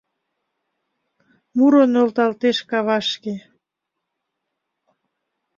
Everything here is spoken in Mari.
Муро нӧлталтеш кавашке